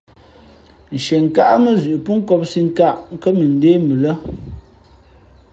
Nshienkáʼ mά zʉʼ pó nkōpsī nkāʼ kά mʉndé mʉ lά.